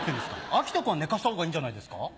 アキト君は寝かした方がいいんじゃないですか？